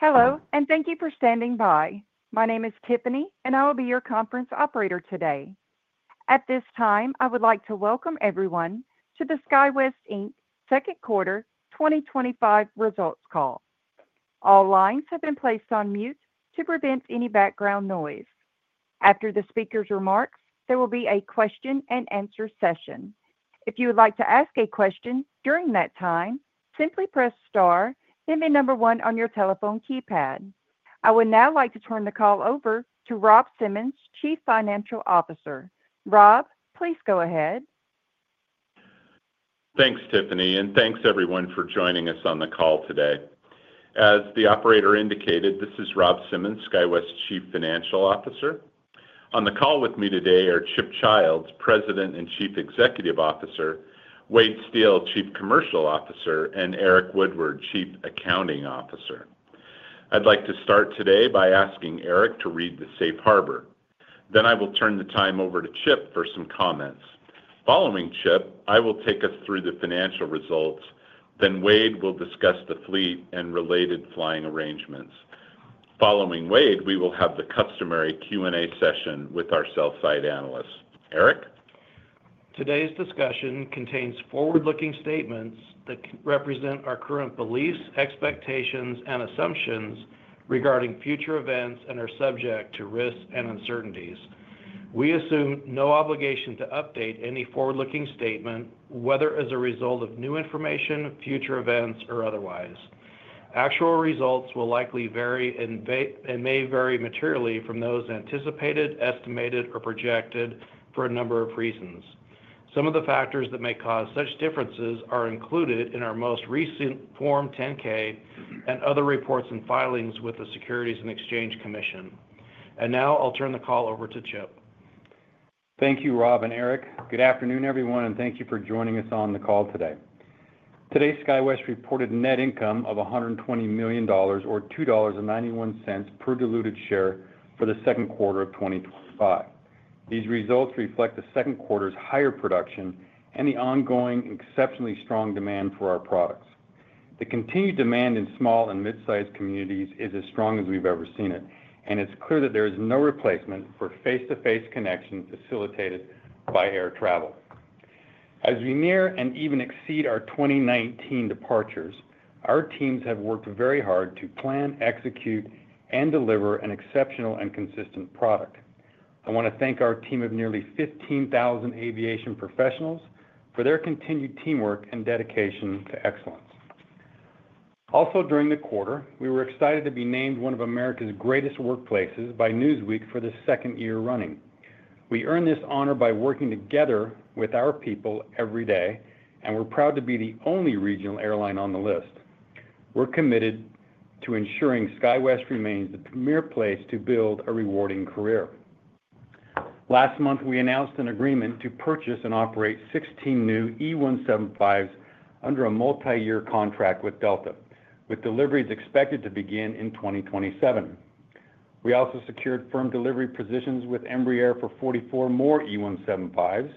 Hello, and thank you for standing by. My name is Tiffany, and I will be your conference operator today. At this time, I would like to welcome everyone to the SkyWest, Inc. Second Quarter twenty twenty five Results Call. All lines have been placed on mute to prevent any background noise. After the speakers' remarks, there will be a question and answer session. I would now like to turn the call over to Rob Simmons, Chief Financial Officer. Rob, please go ahead. Thanks, Tiffany, and thanks, everyone, for joining us on the call today. As the operator indicated, this is Rob Simmons, SkyWest's Chief Financial Officer. On the call with me today are Chip Childs, President and Chief Executive Officer Wade Steele, Chief Commercial Officer and Eric Woodward, Chief Accounting Officer. I'd like to start today by asking Eric to read the Safe Harbor. Then I will turn the time over to Chip for some comments. Following Chip, I will take us through the financial results, then Wade will discuss the fleet and related flying arrangements. Following Wade, we will have the customary Q and A session with our sell side analysts. Eric? Today's discussion contains forward looking statements that represent our current beliefs, expectations and assumptions regarding future events and are subject to risks and uncertainties. We assume no obligation to update any forward looking statement, whether as a result of new information, future events or otherwise. Actual results will likely vary and may vary materially from those anticipated, estimated or projected for a number of reasons. Some of the factors that may cause such differences are included in our most recent Form 10 ks and other reports and filings with the Securities and Exchange Commission. And now I'll turn the call over to Chip. Thank you, Rob and Eric. Good afternoon, everyone, and thank you for joining us on the call today. Today, SkyWest reported net income of $120,000,000 or $2.91 per diluted share for the second quarter of twenty twenty five. These results reflect the second quarter's higher production and the ongoing exceptionally strong demand for our products. The continued demand in small and mid sized communities is as strong as we've ever seen it, and it's clear that there is no replacement for face to face connection facilitated by air travel. As we near and even exceed our twenty nineteen departures, our teams have worked very hard to plan, execute and deliver an exceptional and consistent product. I want to thank our team of nearly 15,000 aviation professionals for their continued teamwork and dedication to excellence. Also during the quarter, we were excited to be named one of America's greatest workplaces by Newsweek for the second year running. We earned this honor by working together with our people every day, and we're proud to be the only regional airline on the list. We're committed to ensuring SkyWest remains the premier place to build a rewarding career. Last month, we announced an agreement to purchase and operate 16 new E175s under a multiyear contract with Delta, with deliveries expected to begin in 2027. We also secured firm delivery positions with Embraer for 44 more E175s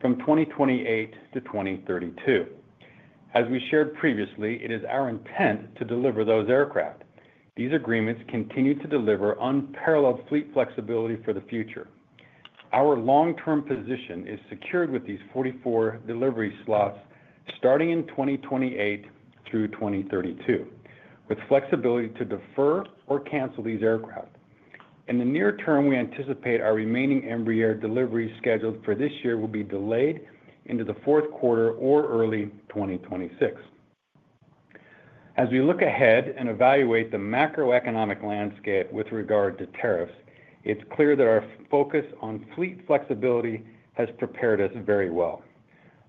from 2028 to 02/1932. As we shared previously, it is our intent to deliver those aircraft. These agreements continue to deliver unparalleled fleet flexibility for the future. Our long term position is secured with these 44 delivery slots starting in 2028 through 02/1932, with flexibility to defer or cancel these aircraft. In the near term, we anticipate our remaining Embraer delivery scheduled for this year will be delayed into the fourth quarter or early twenty twenty six. As we look ahead and evaluate the macroeconomic landscape with regard to tariffs, it's clear that our focus on fleet flexibility has prepared us very well.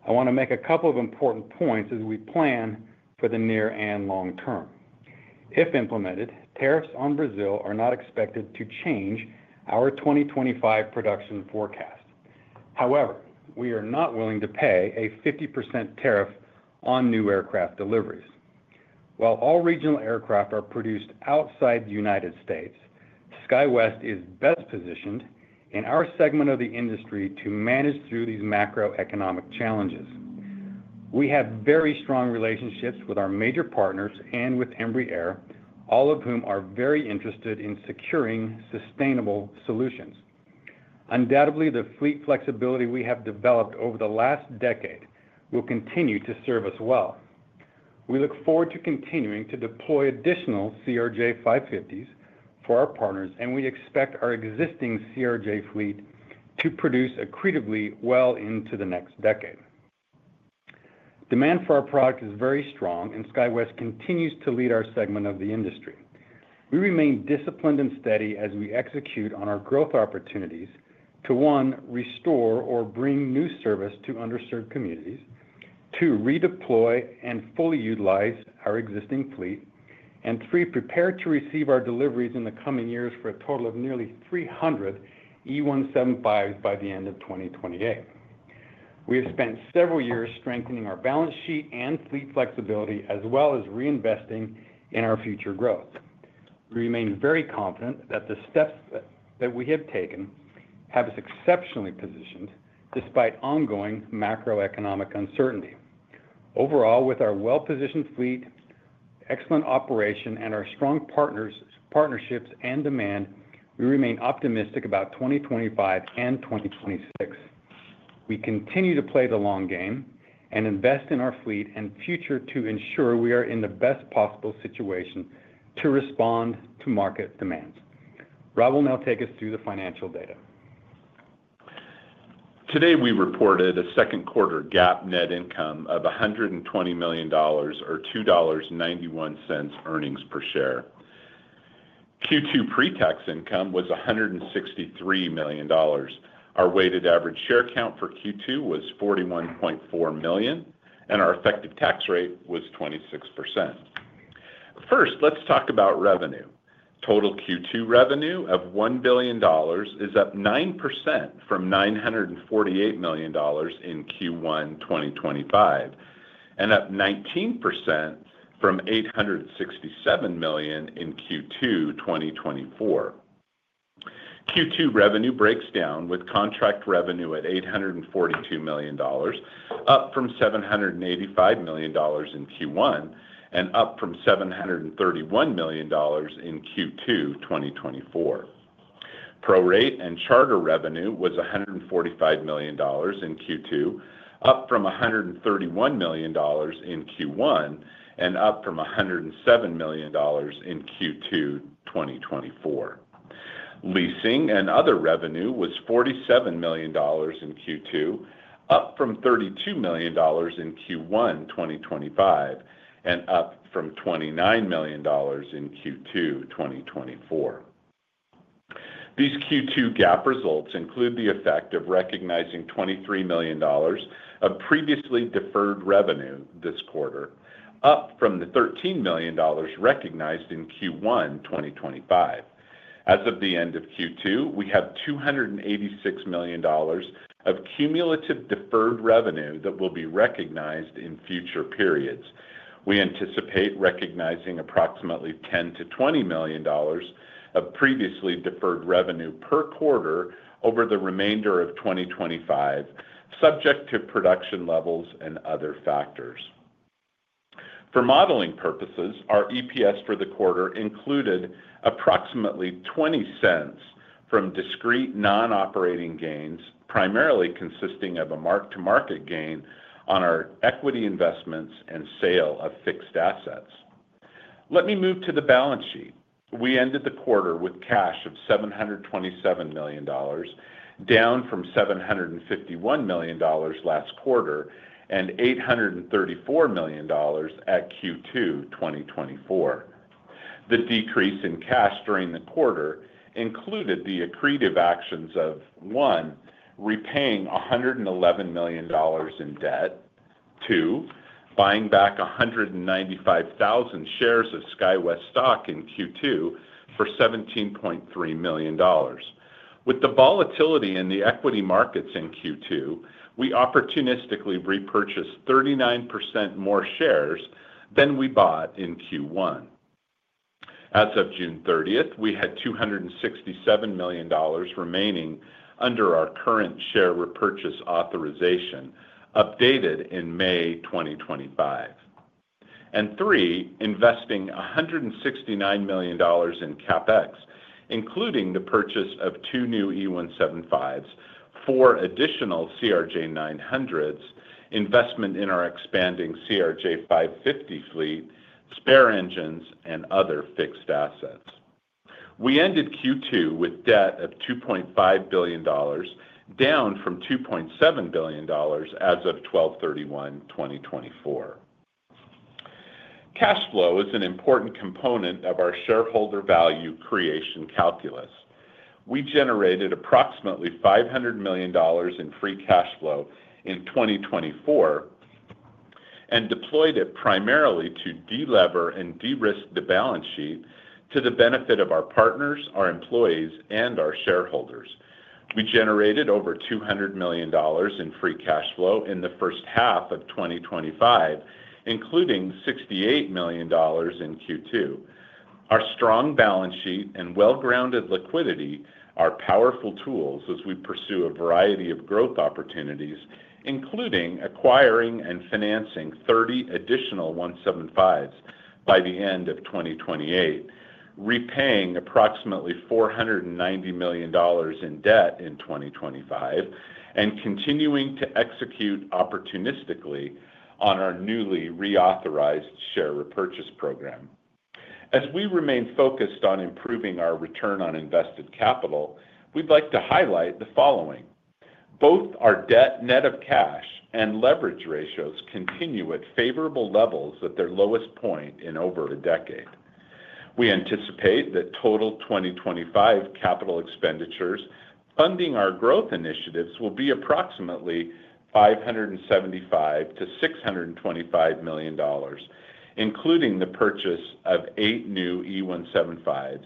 I want to make a couple of important points as we plan for the near and long term. If implemented, tariffs on Brazil are not expected to change our 2025 production forecast. However, we are not willing to pay a 50% tariff on new aircraft deliveries. While all regional aircraft are produced outside The United States, SkyWest is best positioned in our segment of the industry to manage through these macroeconomic challenges. We have very strong relationships with our major partners and with Embraer, all of whom are very interested in securing sustainable solutions. Undoubtedly, the fleet flexibility we have developed over the last decade will continue to serve us well. We look forward to continuing to deploy additional CRJ550s for our partners and we expect our existing CRJ fleet to produce accretively well into the next decade. Demand for our product is very strong and SkyWest continues to lead our segment of the industry. We remain disciplined and steady as we execute on our growth opportunities to one, restore or bring new service to underserved communities two, redeploy and fully utilize our existing fleet and three, prepare to receive our deliveries in the coming years for a total of nearly 300 E175s by the end of twenty twenty eight. We have spent several years strengthening our balance sheet and fleet flexibility as well as reinvesting in our future growth. We remain very confident that the steps that we have taken have us exceptionally positioned despite ongoing macroeconomic uncertainty. Overall, with our well positioned fleet, excellent operation and our strong partners partnerships and demand, we remain optimistic about 2025 and 2026. We continue to play the long game and invest in our fleet and future to ensure we are in the best possible situation to respond to market demand. Rob will now take us through the financial data. Today, we reported a second quarter GAAP net income of $120,000,000 or $2.91 earnings per share. Q2 pretax income was $163,000,000 Our weighted average share count for Q2 was $41,400,000 and our effective tax rate was 26%. First, let's talk about revenue. Total Q2 revenue of $1,000,000,000 is up 9% from $948,000,000 in Q1 twenty twenty five and up 19% from $867,000,000 in Q2 twenty twenty four. Q2 revenue breaks down with contract revenue at $842,000,000 up from $785,000,000 in Q1 and up from $731,000,000 in Q2 twenty twenty four. Pro rate and charter revenue was $145,000,000 in Q2, up from $131,000,000 in Q1 and up from $107,000,000 in Q2 twenty twenty four. Leasing and other revenue was $47,000,000 in Q2, up from $32,000,000 in Q1 twenty twenty five and up from $29,000,000 in Q2 twenty twenty four. These Q2 GAAP results include the effect of recognizing $23,000,000 of previously deferred revenue this quarter, up from the $13,000,000 recognized in Q1 twenty twenty five. As of the end of Q2, we have $286,000,000 of cumulative deferred revenue that will be recognized in future periods. We anticipate recognizing approximately 10,000,000 to $20,000,000 of previously deferred revenue per quarter over the remainder of 2025 subject to production levels and other factors. For modeling purposes, our EPS for the quarter included approximately $0.20 from discrete non operating gains, primarily consisting of a mark to market gain on our equity investments and sale of fixed assets. Let me move to the balance sheet. We ended the quarter with cash of $727,000,000 down from $751,000,000 last quarter and $834,000,000 at Q2 twenty twenty four. The decrease in cash during the quarter included the accretive actions of: one, repaying $111,000,000 in debt two, buying back 195,000 shares of SkyWest stock in Q2 for $17,300,000 With the volatility in the equity markets in Q2, we opportunistically repurchased 39% more shares than we bought in Q1. As of June 30, we had $267,000,000 remaining under our current share repurchase authorization updated in May 2025. And three, investing $169,000,000 in CapEx, including the purchase of two new E175s, four additional CRJ900s, investment in our expanding CRJ550 fleet, spare engines and other fixed assets. We ended Q2 with debt of $2,500,000,000 down from $2,700,000,000 as of twelvethirty one, twenty twenty four. Cash flow is an important component of our shareholder value creation calculus. We generated approximately $500,000,000 in free cash flow in 2024 and deployed it primarily to delever and derisk the balance sheet to the benefit of our partners, our employees and our shareholders. We generated over $200,000,000 in free cash flow in the first half of twenty twenty five, including $68,000,000 in Q2. Our strong balance sheet and well grounded liquidity are powerful tools as we pursue a variety of growth opportunities, including acquiring and financing 30 additional 175s by the end of twenty twenty eight, repaying approximately $490,000,000 in debt in 2025 and continuing to execute opportunistically on our newly reauthorized share repurchase program. As we remain focused on improving our return on invested capital, we'd like to highlight the following. Both our debt net of cash and leverage ratios continue at favorable levels at their lowest point in over a decade. We anticipate that total 2025 capital expenditures funding our growth initiatives will be approximately $575,000,000 to $625,000,000 including the purchase of eight new E175s,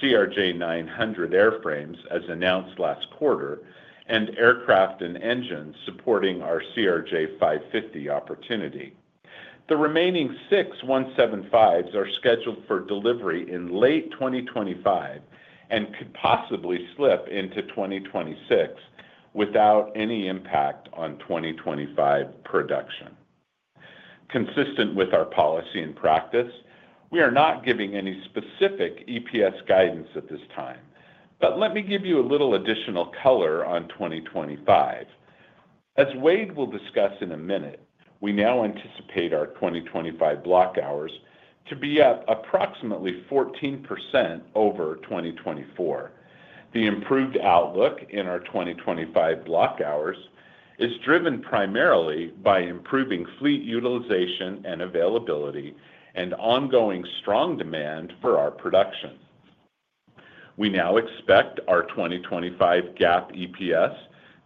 CRJ900 airframes as announced last quarter and aircraft and engines supporting our CRJ550 opportunity. The remaining six 175s are scheduled for delivery in late twenty twenty five and could possibly slip into 2026 without any impact on 2025 production. Consistent with our policy and practice, we are not giving any specific EPS guidance at this time, but let me give you a little additional color on 2025. As Wade will discuss in a minute, we now anticipate our 2025 block hours to be up approximately 14% over 2024. The improved outlook in our 2025 block hours is driven primarily by improving fleet utilization and availability and ongoing strong demand for our production. We now expect our 2025 GAAP EPS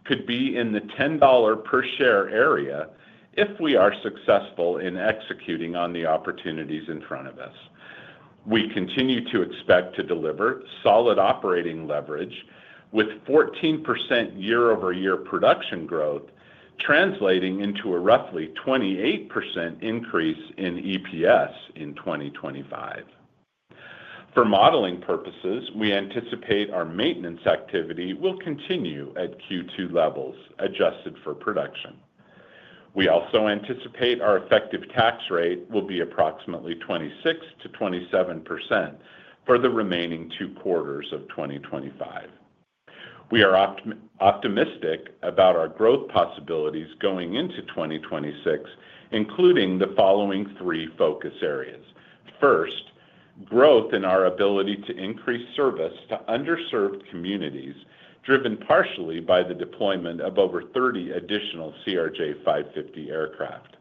could be in the $10 per share area if we are successful in executing on the opportunities in front of us. We continue to expect to deliver solid operating leverage with 14% year over year production growth, translating into a roughly 28% increase in EPS in 2025. For modeling purposes, we anticipate our maintenance activity will continue at Q2 levels adjusted for production. We also anticipate our effective tax rate will be approximately 26% to 27% for the remaining February. We are optimistic about our growth possibilities going into 2026, including the following three focus areas. First, growth in our ability to increase service to underserved communities, driven partially by the deployment of over 30 additional CRJ-five 50 aircraft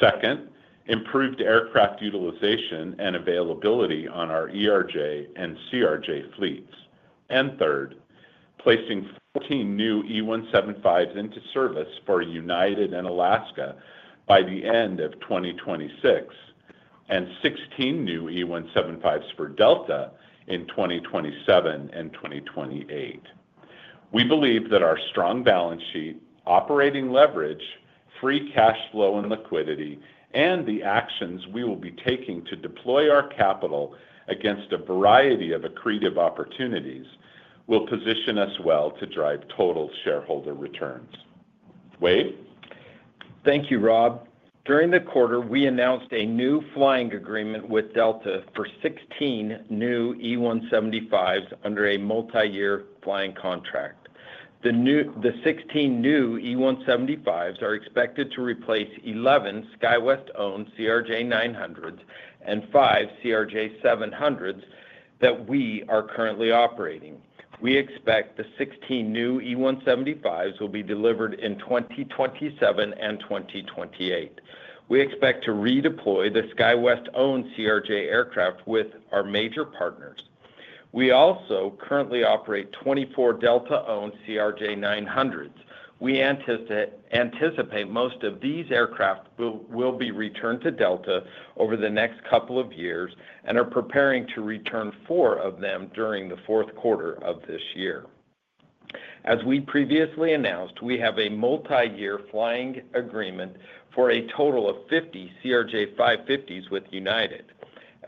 second, improved aircraft utilization and availability on our ERJ and CRJ fleets and third, placing 14 new E175s into service for United and Alaska by the 2026 and sixteen new E175s for Delta in 2027 and 2028. We believe that our strong balance sheet, operating leverage, free cash flow and liquidity and the actions we will be taking to deploy our capital against a variety of accretive opportunities will position us well to drive total shareholder returns. Wade? Thank you, Rob. During the quarter, we announced a new flying agreement with Delta for 16 new E175s under a multi year flying contract. The 16 new E175s are expected to replace 11 SkyWest owned CRJ900s and five CRJ700s that we are currently operating. We expect the 16 new E175s will be delivered in 2027 and 2028. We expect to redeploy the SkyWest owned CRJ aircraft with our major partners. We also currently operate 24 Delta owned CRJ900s. We anticipate most of these aircraft will be returned to Delta over the next couple of years and are preparing to return four of them during the fourth quarter of this year. As we previously announced, we have a multiyear flying agreement for a total of 50 CRJ-550s with United.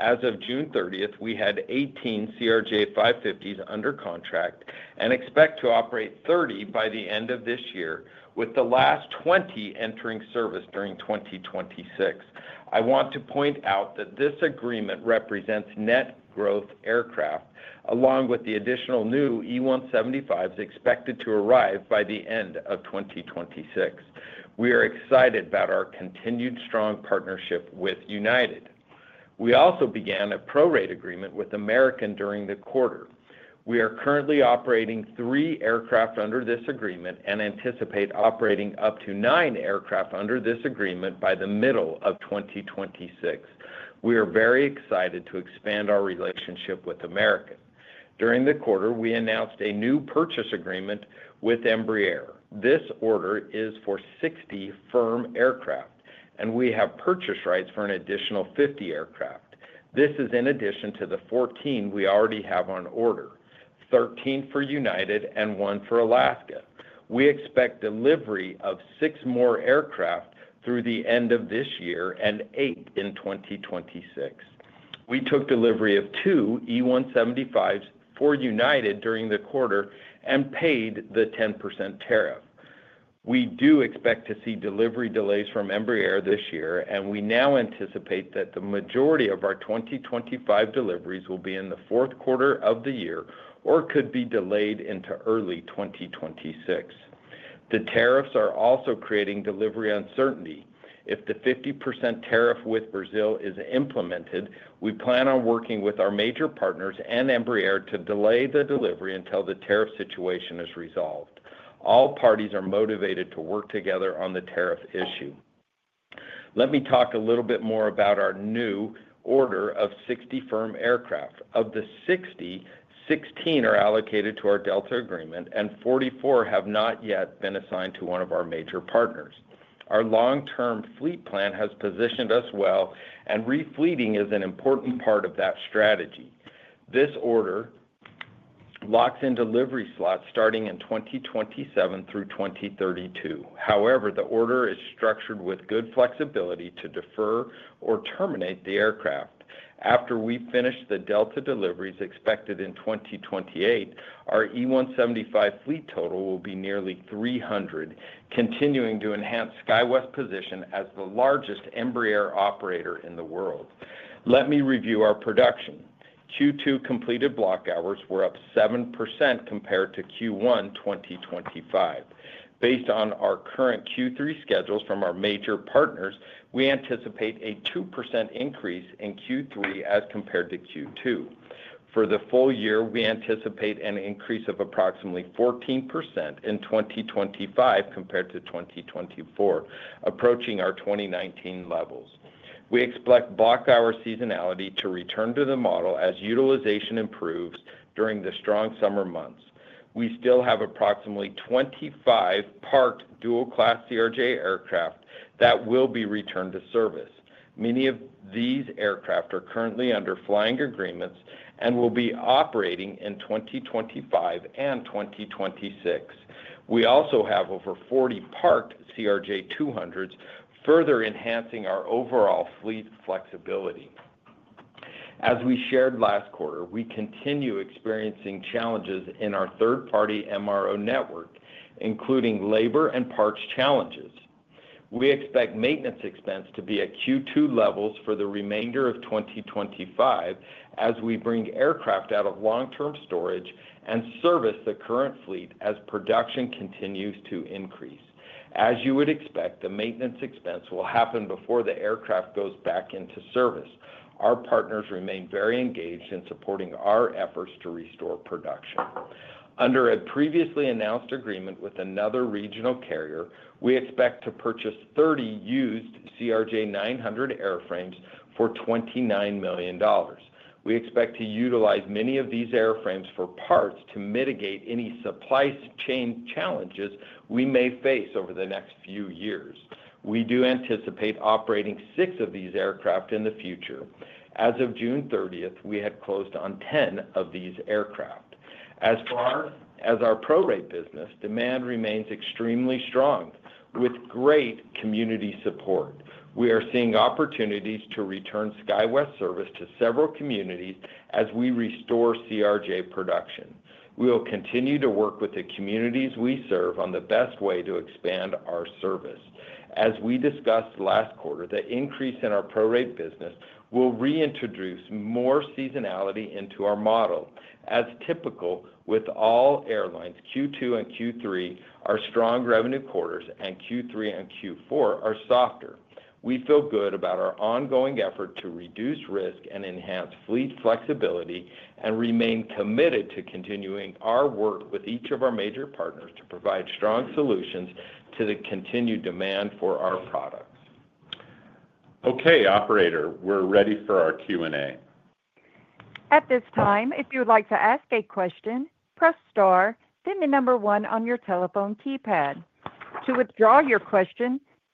As of June 30, we had 18 CRJ550s under contract and expect to operate 30 by the end of this year, with the last 20 entering service during 2026. I want to point out that this agreement represents net growth aircraft along with the additional new E175s expected to arrive by the end of twenty twenty six. We are excited about our continued strong partnership with United. We also began a pro rate agreement with American during the quarter. We are currently operating three aircraft under this agreement and anticipate operating up to nine aircraft under this agreement by the middle of twenty twenty six. We are very excited to expand our relationship with American. During the quarter, we announced a new purchase agreement with Embraer. This order is for 60 firm aircraft, and we have purchase rights for an additional 50 aircraft. This is in addition to the 14 we already have on order, 13 for United and one for Alaska. We expect delivery of six more aircraft through the end of this year and eight in 2026. We took delivery of two E175s for United during the quarter and paid the 10% tariff. We do expect to see delivery delays from Embraer this year and we now anticipate that the majority of our 2025 deliveries will be in the fourth quarter of the year or could be delayed into early twenty twenty six. The tariffs are also creating delivery uncertainty. If the 50% tariff with Brazil is implemented, we plan on working with our major partners and Embraer to delay the delivery until the tariff situation is resolved. All parties are motivated to work together on the tariff issue. Let me talk a little bit more about our new order of 60 firm aircraft. Of the sixty, sixteen are allocated to our Delta agreement and 44 have not yet been assigned to one of our major partners. Our long term fleet plan has positioned us well and refleeting is an important part of that strategy. This order locks in delivery slots starting in 2027 through 02/1932. However, the order is structured with good flexibility to defer or terminate the aircraft. After we finish the Delta deliveries expected in 2028, our E175 fleet total will be nearly 300, continuing to enhance SkyWest position as the largest Embraer operator in the world. Let me review our production. Q2 completed block hours were up 7% compared to Q1 twenty twenty five. Based on our current Q3 schedules from our major partners, we anticipate a 2% increase in Q3 as compared to Q2. For the full year, we anticipate an increase of approximately 14% in 2025 compared to 2024, approaching our 2019 levels. We expect block hour seasonality to return to the model as utilization improves during the strong summer months. We still have approximately 25 parked dual class CRJ aircraft that will be returned to service. Many of these aircraft are currently under flying agreements and will be operating in 2025 and 2026. We also have over 40 parked CRJ200s further enhancing our overall fleet flexibility. As we shared last quarter, we continue experiencing challenges in our third party MRO network, labor and parts challenges. We expect maintenance expense to be at Q2 levels for the remainder of 2025 as we bring aircraft out of long term storage and service the current fleet as production continues to increase. As you would expect, the maintenance expense will happen before the aircraft goes back into service. Our partners remain very engaged in supporting our efforts to restore production. Under a previously announced agreement with another regional carrier, we expect to purchase 30 used CRJ900 airframes for $29,000,000 We expect to utilize many of these airframes for parts to mitigate any supply chain challenges we may face over the next few years. We do anticipate operating six of these aircraft in the future. As of June 30, we had closed on 10 of these aircraft. As far as our pro rate business, demand remains extremely strong with great community support. We are seeing opportunities to return SkyWest service to several communities as we restore CRJ production. We will continue to work with the communities we serve on the best way to expand our service. As we discussed last quarter, the increase in our prorate business will reintroduce more seasonality into our model. As typical with all airlines, Q2 and Q3 are strong revenue quarters and Q3 and Q4 are softer. We feel good about our ongoing effort to reduce risk and enhance fleet flexibility and remain committed to continuing our work with each of our major partners to provide strong solutions to the continued demand for our products. Okay, operator, we're ready for our Q and A.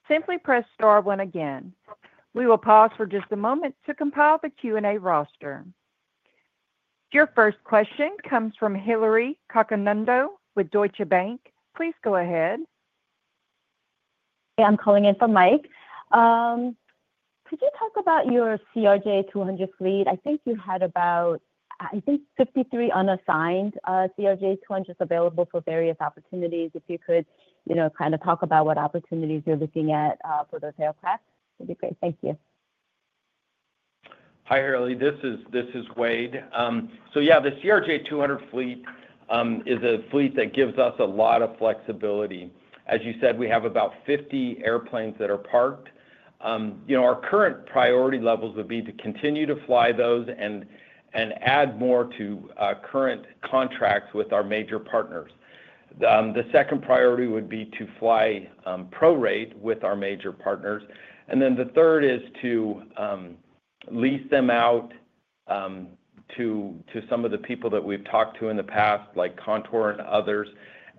Your first question comes from Hilary Cocanando with Deutsche Bank. Please go ahead. Hey, I'm calling in for Mike. Could you talk about your CRJ200 fleet? I think you had about, I think, 53 unassigned CRJ200s available for various opportunities. If you could kind of talk about what opportunities you're looking at for those aircraft, that would be great. You. Harley. This Wade. So yes, the CRJ200 fleet is a fleet that gives us a lot of flexibility. As you said, we have about 50 airplanes that are parked. Our current priority levels would be to continue to fly those and add more to current contracts with our major partners. The second priority would be to fly pro rate with our major partners. And then the third is to lease them out to to some of the people that we've talked to in the past, like Contour and others,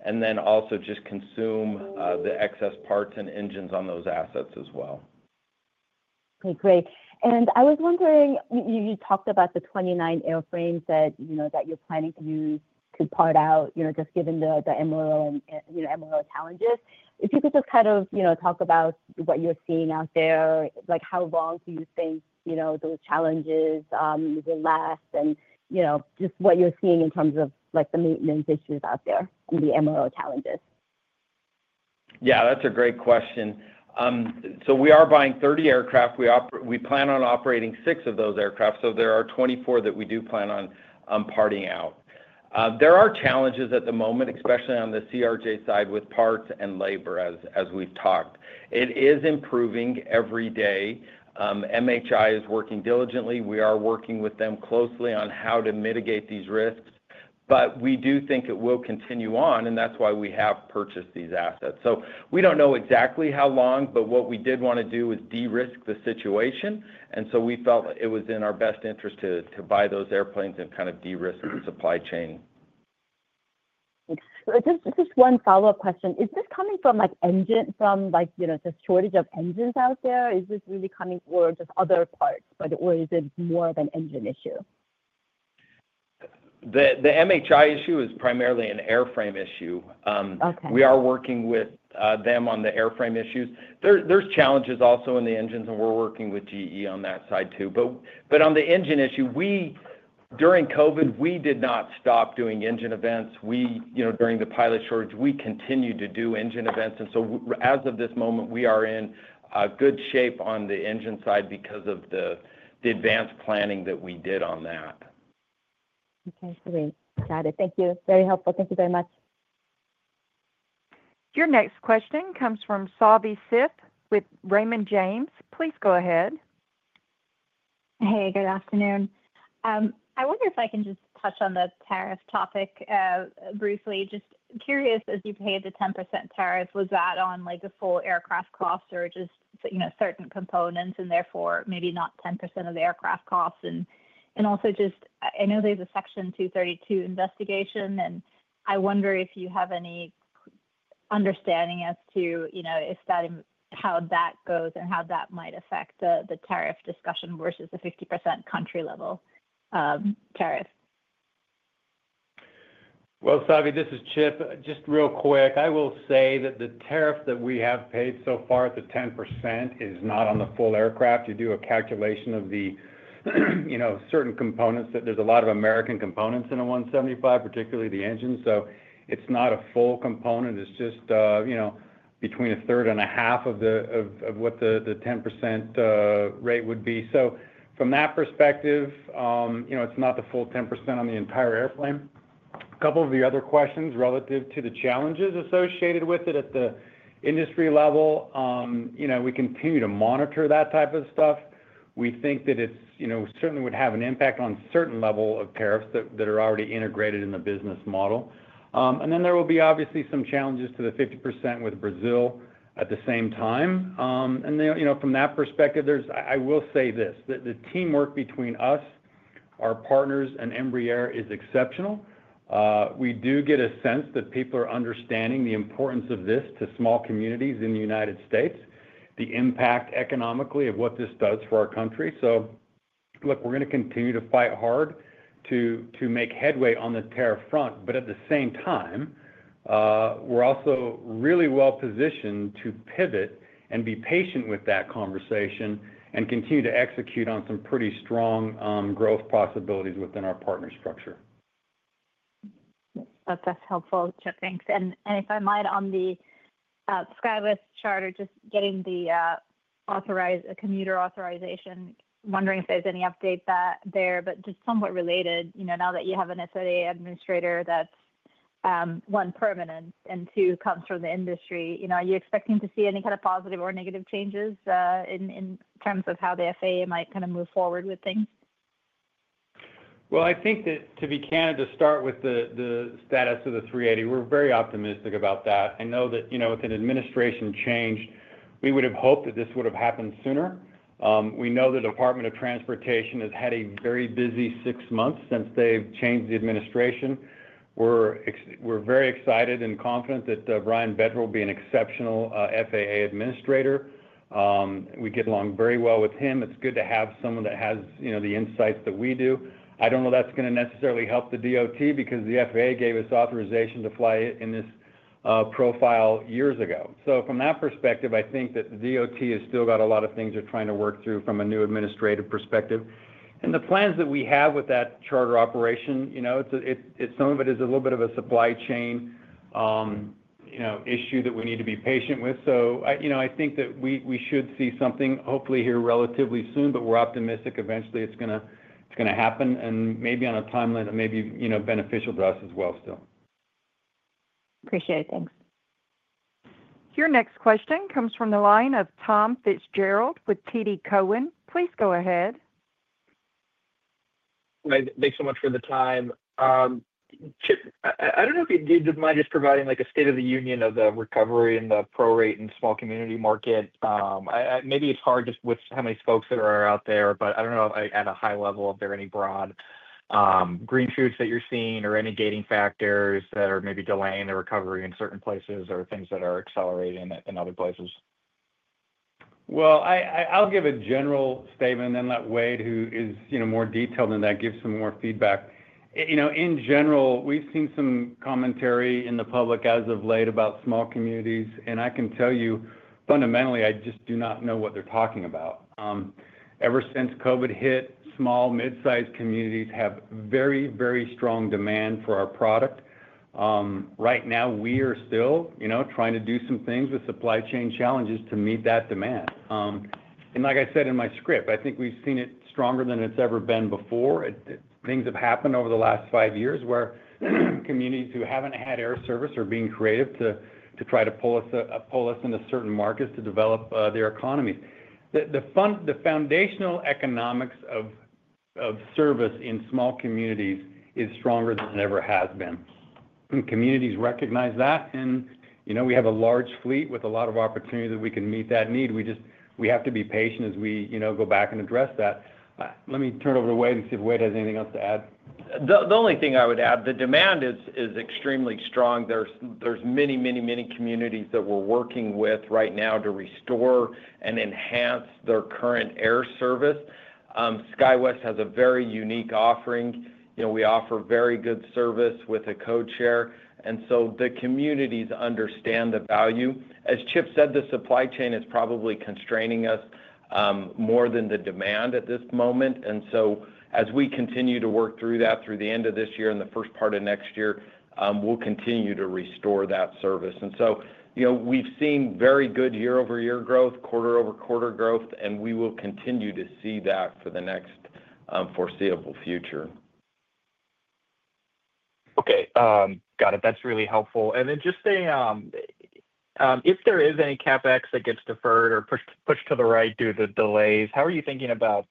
and then also just consume, the excess parts and engines on those assets as well. K. Great. And I was wondering, you talked about the 29 airframes that, you know, that you're planning to use to part out, you know, just given the the MRO and, you know, MRO challenges. If you could just kind of, you know, talk about what you're seeing out there, like, how long do you think, those challenges will last? And just what you're seeing in terms of, like, the maintenance issues out there and the MRO challenges? Yes. That's a great question. So we are buying 30 aircraft. We plan on operating six of those aircraft. So there are 24 that we do plan on parting out. There are challenges at the moment, especially on the CRJ side with parts and labor as we've talked. It is improving every day. MHI is working diligently. We are working with them closely on how to mitigate these risks. But we do think it will continue on, and that's why we have purchased these assets. So we don't know exactly how long, but what we did want to do is derisk the situation. And so we felt it was in our best interest to buy those airplanes and kind of derisk the supply chain. Just just one follow-up question. Is this coming from, like, engine from, like, you know, the shortage of engines out there? Is this really coming for just other parts, by the way, is it more of an engine issue? The the MHI issue is primarily an airframe issue. Okay. We are working with, them on the airframe issues. There there's challenges also in the engines, and we're working with GE on that side too. But but on the engine issue, we, during COVID, we did not stop doing engine events. We during the pilot shortage, we continue to do engine events. And so as of this moment, we are in good shape on the engine side because of the advanced planning that we did on that. Okay. Great. Got it. Thank you. Very helpful. Thank you very much. Your next question comes from Savi Syth with Raymond James. Please go ahead. Hey, good afternoon. I wonder if I can just touch on the tariff topic briefly. Just curious as you pay the 10% tariff, was that on like a full aircraft costs or just certain components and therefore maybe not 10% of the aircraft costs? And also just, I know there's a section two thirty two investigation and I wonder if you have any understanding as to, you know, if that how that goes and how that might affect the tariff discussion versus the 50% country level tariff? Well, Savi, this is Chip. Just real quick, I will say that the tariff that we have paid so far at the 10 is not on the full aircraft. You do a calculation of the certain components that there's a lot of American components in a 175, particularly the engine. So it's not a full component. It's just between a third and a half of what the 10% rate would be. So from that perspective, you know, it's not the full 10% on the entire airplane. Couple of the other questions relative to the challenges associated with it at the industry level, you know, we continue to monitor that type of stuff. We think that it's, you know, certainly would have an impact on certain level of tariffs that that are already integrated in the business model. And then there will be obviously some challenges to the 50% with Brazil at the same time. And, you know, from that perspective, there's I I will say this, that the teamwork between us, our partners, and Embraer is exceptional. We do get a sense that people are understanding the importance of this to small communities in The United States, the impact economically of what this does for our country. So look, we're gonna continue to fight hard to to make headway on the tariff front. But at the same time, we're also really well positioned to pivot and be patient with that conversation and continue to execute on some pretty strong growth possibilities within our partner structure. That's that's helpful, Chip. Thanks. And and if I might, on the SkyWest Charter, just getting the authorized a commuter authorization. Wondering if there's any update that there, but just somewhat related, you know, now that you have an SLA administrator that's one permanent and two comes from the industry. You know, are you expecting to see any kind of positive or negative changes, in in terms of how the FAA might kinda move forward with things? Well, I think that to be candid to start with the the status of the three eighty, we're very optimistic about that. I know that, you know, with an administration change, we would have hoped that this would have happened sooner. We know the Department of Transportation has had a very busy six months since they've changed the administration. We're we're very excited and confident that Brian Bedro will be an exceptional FAA administrator. We get along very well with him. It's good to have someone that has, you know, the insights that we do. I don't know that's gonna necessarily help the DOT because the FAA gave us authorization to fly in this profile years ago. So from that perspective, I think that DOT has still got a lot of things they're trying to work through from a new administrative perspective. And the plans that we have with that charter operation, know, it's a it it some of it is a little bit of a supply chain, issue that we need to be patient with. So I think that we should see something hopefully here relatively soon, but we're optimistic eventually it's going to happen and maybe on a timeline that may be beneficial to us as well still. Appreciate it. Thanks. Your next question comes from the line of Tom Fitzgerald with TD Cowen. Please go ahead. Thanks so much for the time. Chip, I don't know if you do mind just providing like a state of the union of the recovery in the pro rate and small community market. Maybe it's hard just with how many folks that are out there, but I don't know if I at a high level, if there are any broad, green shoots that you're seeing or any gating factors that are maybe delaying the recovery in certain places or things that are accelerating in other places? Well, I I I'll give a general statement and let Wade who is, you know, more detailed than that gives some more feedback. You know, in general, we've seen some commentary in the public as of late about small communities, and I can tell you, fundamentally, I just do not know what they're talking about. Ever since COVID hit, small, mid sized communities have very, very strong demand for our product. Right now, we are still trying to do some things with supply chain challenges to meet that demand. And like I said in my script, I think we've seen it stronger than it's ever been before. Things have happened over the last five years where communities who haven't had air service are being creative to to try to pull us pull us into certain markets to develop their economy. The the fund the foundational economics of of service in small communities is stronger than it ever has been. Communities recognize that, and, you we have a large fleet with a lot of opportunity that we can meet that need. We just we have to be patient as we go back and address that. Let me turn it over to Wade and see if Wade has anything else to add. The the only thing I would add, the demand is is extremely strong. There's many, many, many communities that we're working with right now to restore and enhance their current air service. SkyWest has a very unique offering. We offer very good service with a codeshare. And so the communities understand the value. As Chip said, the supply chain is probably constraining us more than the demand at this moment. And so as we continue to work through that through the end of this year and the first part of next year, we'll continue to restore that service. And so we've seen very good year over year growth, quarter over quarter growth, and we will continue to see that for the next foreseeable future. Okay. Got it. That's really helpful. And then just saying, if there is any CapEx that gets deferred or pushed to the right due to delays, how are you thinking about,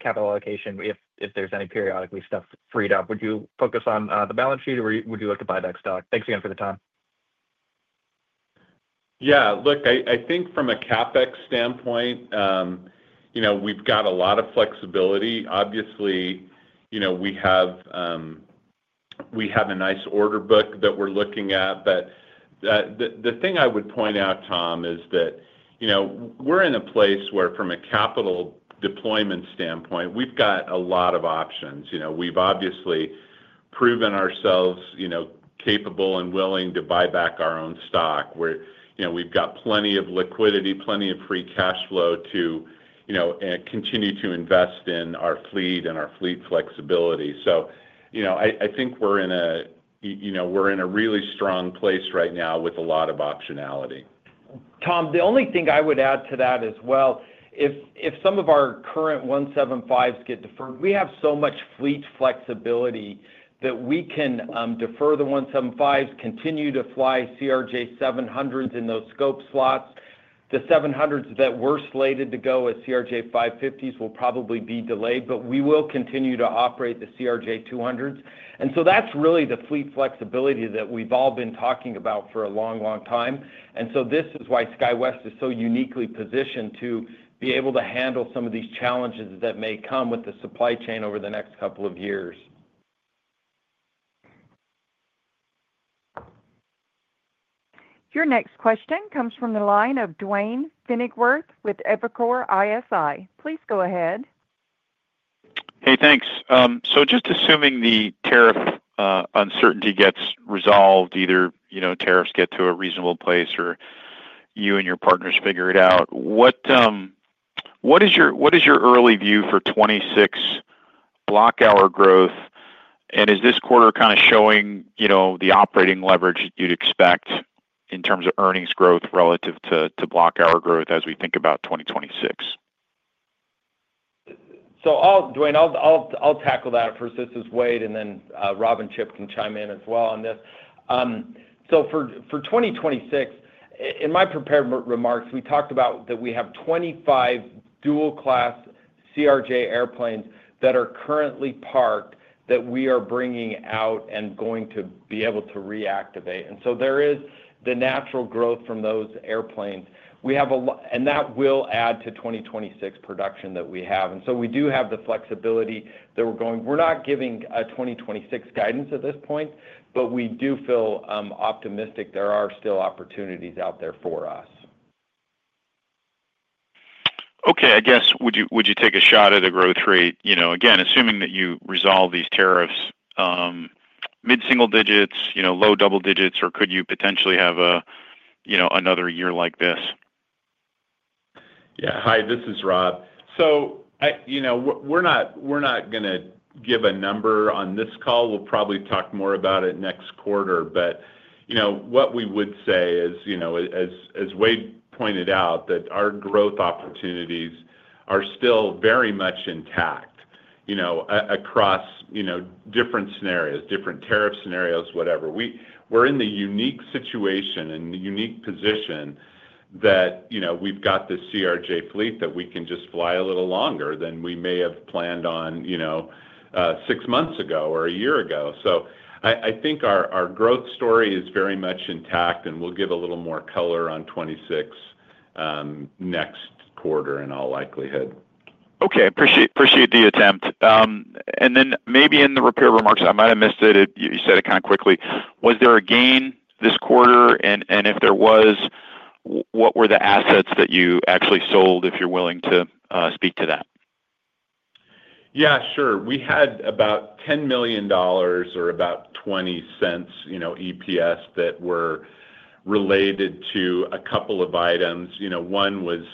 capital allocation if there's any periodically stuff freed up? Would you focus on the balance sheet? Or would you like to buy back stock? Yes. Look, I think from a CapEx standpoint, we've got a lot of flexibility. Obviously, we have a nice order book that we're looking at. But the thing I would point out, Tom, is that we're in a place where from a capital deployment standpoint, we've got a lot of options. We've obviously proven ourselves capable and willing to buy back our own stock. We've got plenty of liquidity, plenty of free cash flow to continue to invest in our fleet and our fleet flexibility. So I think we're in a really strong place right now with a lot of optionality. Tom, the only thing I would add to that as well, if some of our current 175s get deferred, we have so much fleet flexibility that we can, defer the 175s, continue to fly CRJ700s in those scope slots. The 700s that were slated to go as CRJ550s will probably be delayed, but we will continue to operate the CRJ200s. And so that's really the fleet flexibility that we've all been talking about for a long, long time. And so this is why SkyWest is so uniquely positioned to be able to handle some of these challenges that may come with the supply chain over the next couple of years. Your next question comes from the line of Duane Pfennigwerth with Evercore ISI. Please go ahead. Hey, thanks. So just assuming the tariff uncertainty gets resolved, either tariffs get to a reasonable place or you and your partners figure it out, what is your early view for '26 block hour growth? And is this quarter kind of showing the operating leverage you'd expect in terms of earnings growth relative to block hour growth as we think about 2026? Duane, I'll tackle that first. This is Wade and then Rob and Chip can chime in as well on this. So for for 2026, in my prepared remarks, we talked about that we have 25 dual class CRJ airplanes that are currently parked that we are bringing out and going to be able to reactivate. And so there is the natural growth from those airplanes. We have a lot and that will add to 2026 production that we have. And so we do have the flexibility that we're going we're not giving a 2026 guidance at this point, but we do feel optimistic there are still opportunities out there for us. Okay. I guess, would take a shot at the growth rate again assuming that you resolve these tariffs mid single digits, low double digits or could you potentially have another year like this? Yes. Hi, this is Rob. So we're not going to give a number on this call. We'll probably talk more about it next quarter. But what we would say is, as Wade pointed out that our growth opportunities are still very much intact across different scenarios, different tariff scenarios, whatever. We're in the unique situation and the unique position that we've got the CRJ fleet that we can just fly a little longer than we may have planned on six months ago or a year ago. So I think our growth story is very much intact and we'll give a little more color on '26 next quarter in all likelihood. Okay. Appreciate the attempt. And then maybe in the repair remarks, I might have missed it, you said it kind of quickly. Was there a gain this quarter? And if there was, what were the assets that you actually sold, if you're willing to speak to that? Yes, sure. We had about $10,000,000 or about $0.20 EPS that were related to a couple of items. One was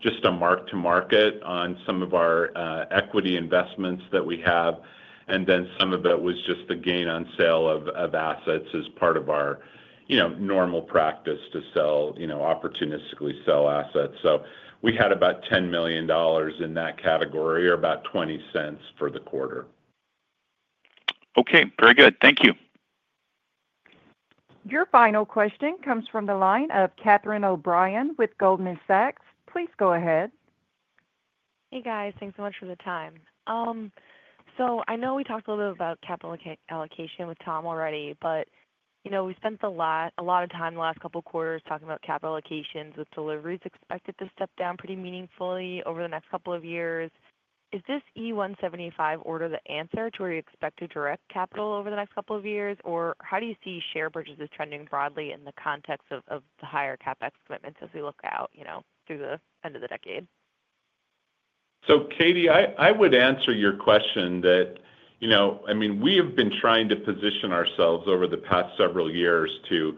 just a mark to market on some of our equity investments that we have. And then some of that was just the gain on sale of assets as part of our normal practice to sell opportunistically sell assets. So we had about $10,000,000 in that category or about $0.20 for the quarter. Okay. Very good. Thank you. Your final question comes from the line of Catherine O'Brien with Goldman Sachs. Please go ahead. Hey guys, thanks so much for the time. So I know we talked a little bit about capital allocation with Tom already, but we spent a lot of time last couple of quarters talking about capital allocations with deliveries expected to step down pretty meaningfully over the next couple of years. Is this E175 order the answer to where you expect to direct capital over the next couple of years? Or how do you see share purchases trending broadly in the context of the higher CapEx commitments as we look out through the end of the decade? So Katie, I would answer your question that I mean, we have been trying to position ourselves over the past several years to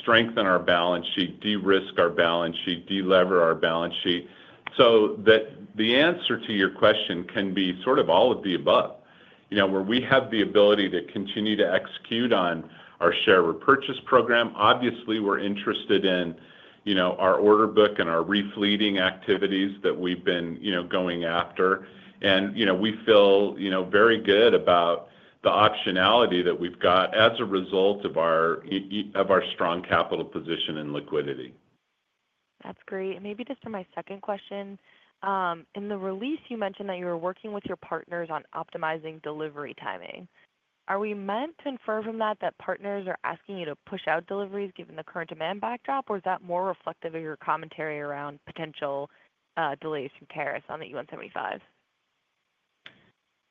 strengthen our balance sheet, derisk our balance sheet, delever our balance sheet. So that the answer to your question can be sort of all of the above, where we have the ability to continue to execute on our share repurchase program. Obviously, we're interested in our order book and our refleeting activities that we've been going after. And we feel very good about the optionality that we've got as a result of our strong capital position and liquidity. That's great. And maybe just for my second question. The release, you mentioned that you're working with your partners on optimizing delivery timing. Are we meant to infer from that that partners are asking you to push out deliveries given the current demand backdrop? Or is that more reflective of your commentary around potential delays from tariffs on the U-one 175?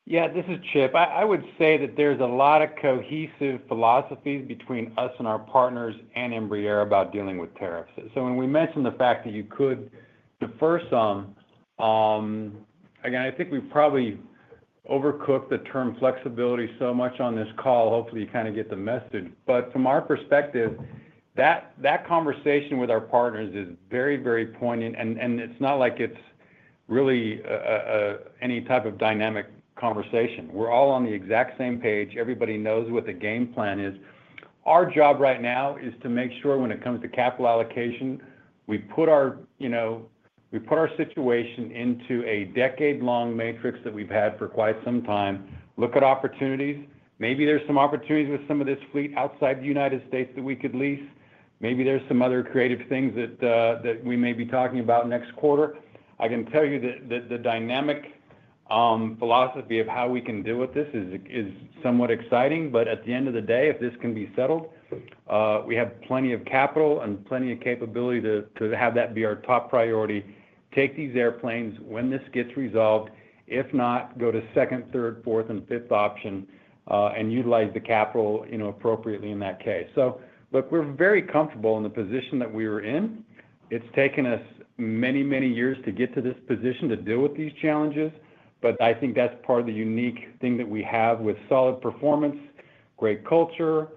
Yeah. This is Chip. I I would say that there's a lot of cohesive philosophy between us and our partners and Embraer about dealing with tariffs. So when we mentioned the fact that you could defer some, again, I think we've probably overcooked the term flexibility so much on this call. Hopefully, you kinda get the message. But from our perspective, that that conversation with our partners is very, very poignant, and and it's not like it's really any type of dynamic conversation. We're all on the exact same page. Everybody knows what the game plan is. Our job right now is to make sure when it comes to capital allocation, we put our, you know, we put our situation into a decade long matrix that we've had for quite some time, look at opportunities. Maybe there's some opportunities with some of this fleet outside The United States that we could lease. Maybe there's some other creative things that we may be talking about next quarter. I can tell you that the the dynamic philosophy of how we can deal with this is is somewhat exciting. But at the end of the day, if this can be settled, we have plenty of capital and plenty of capability to to have that be our top priority. Take these airplanes when this gets resolved, if not, go to second, third, fourth and fifth option and utilize the capital appropriately in that case. So look, we're very comfortable in the position that we were in. It's taken us many, many years to get to this position to deal with these challenges, but I think that's part of the unique thing that we have with solid performance, great culture,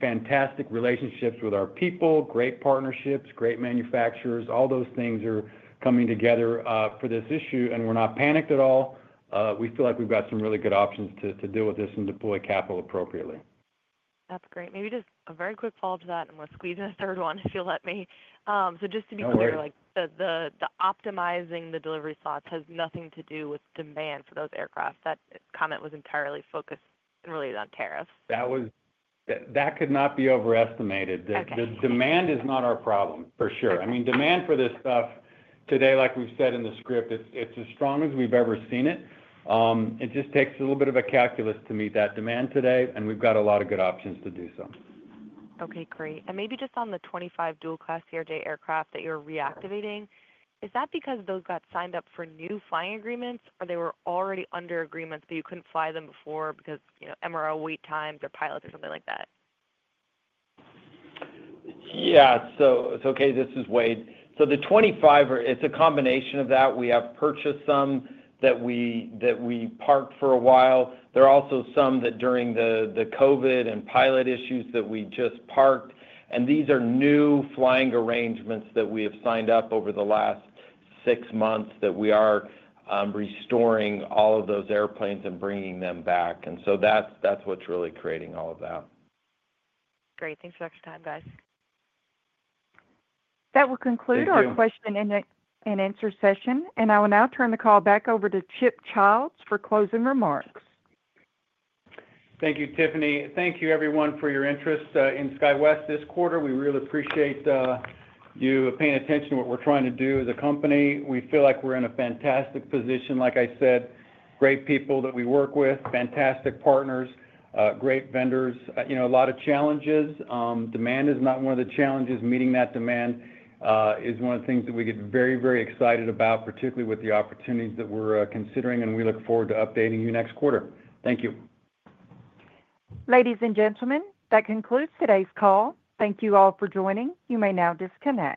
fantastic relationships with our people, great partnerships, great manufacturers. All those things are coming together for this issue, and we're not panicked at all. We feel like we've got some really good options to to deal with this and deploy capital appropriately. That's great. Maybe just a very quick follow-up to that, and we'll squeeze in a third one if you'll let me. So just to be clear, like, the the the optimizing the delivery slots has nothing to do with demand for those aircraft. That comment was entirely focused and really not tariffs. That was that that could not be overestimated. The the demand is not our problem for sure. I mean, demand for this stuff today, like we've said in the script, it's it's as strong as we've ever seen it. It just takes a little bit of a calculus to meet that demand today, and we've got a lot of good options to do so. Okay. Great. And maybe just on the 25 dual class air day aircraft that you're reactivating, is that because those got signed up for new flying agreements or they were already under agreements, but you couldn't fly them before because, you know, MRO wait times or pilots or something like that? Yes. So okay. This is Wade. So the 25, it's a combination of that. We have purchased some that we that we parked for a while. There are also some that during the the COVID and pilot issues that we just parked, And these are new flying arrangements that we have signed up over the last six months that we are, restoring all of those airplanes and bringing them back. And so that's that's what's really creating all of that. Great. Thanks for your time guys. Will conclude our And question and answer I will now turn the call back over to Chip Childs for closing remarks. Thank you, Tiffany. Thank you everyone for your interest in SkyWest this quarter. We really appreciate you paying attention to what we're trying to do as a company. We feel like we're in a fantastic position. Like I said, great people that we work with, fantastic partners, great vendors, you know, a lot of challenges. Demand is not one of the challenges. Meeting that demand is one of the things that we get very, very excited about, particularly with opportunities that we're considering, and we look forward to updating you next quarter. Thank you. Ladies and gentlemen, that concludes today's call. Thank you all for joining. You may now disconnect.